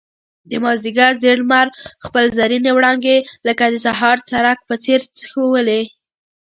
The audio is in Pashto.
د مازيګر زېړ لمر خپل زرينې وړانګې لکه د سهار څرک په څېر ښوولې.